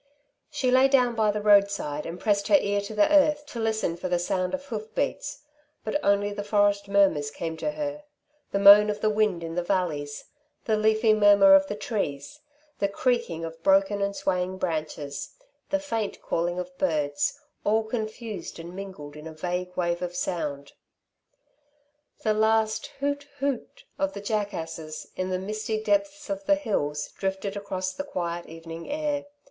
She lay down by the roadside, and pressed her ear to the earth to listen for the sound of hoof beats, but only the forest murmurs came to her, the moan of the wind in the valleys, the leafy murmur of the trees, the creaking of broken and swaying branches, the faint calling of birds, all confused and mingled in a vague wave of sound. The last hoot hoot of the jackasses in the misty depths of the hills drifted across the quiet evening air.